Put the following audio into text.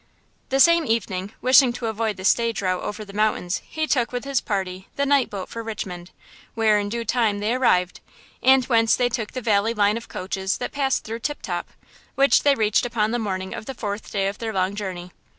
The same evening, wishing to avoid the stage route over the mountains, he took, with his party, the night boat for Richmond, where, in due time, they arrived, and whence they took the valley line of coaches that passed through Tip Top, which they reached upon the morning of the fourth day of their long journey.